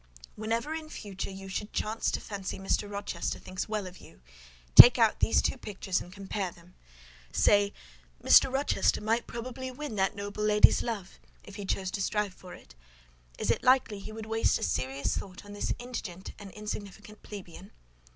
"Whenever, in future, you should chance to fancy Mr. Rochester thinks well of you, take out these two pictures and compare them: say, 'Mr. Rochester might probably win that noble lady's love, if he chose to strive for it; is it likely he would waste a serious thought on this indigent and insignificant plebeian?